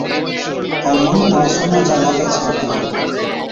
ائُون مُنُون ها سونا چا لاگَي ڇي پلا۔